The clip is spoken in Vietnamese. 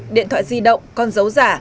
điện thoại di động con dấu giả